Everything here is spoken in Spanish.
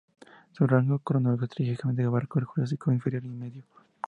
Su rango cronoestratigráfico abarcaba el Jurásico inferior y medio.